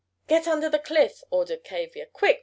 ] "Get under the cliff!" ordered Tavia. "Quick!